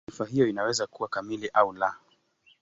Taarifa hiyo inaweza kuwa kamili au la.